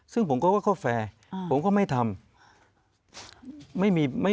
ซึ่งผมก็ว่าเขาแฟร์ผมก็ไม่ทำ